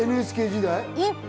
ＮＨＫ時代？